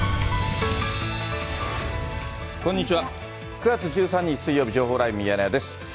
９月１３日水曜日、情報ライブミヤネ屋です。